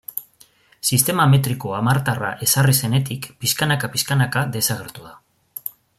Sistema metriko hamartarra ezarri zenetik pixkanaka-pixkanaka desagertu da.